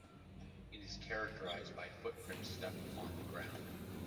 It is characterized by footprints struck on the ground.